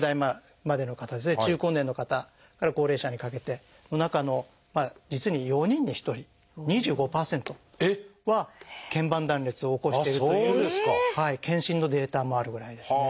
中高年の方から高齢者にかけての中の実に４人に１人２５％は腱板断裂を起こしているという検診のデータもあるぐらいですね。